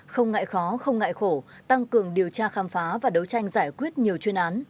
không ngại khó không ngại khổ tăng cường điều tra khám phá và đấu tranh giải quyết nhiều chuyên án